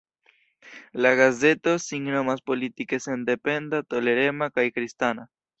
La gazeto sin nomas politike sendependa, tolerema kaj kristana.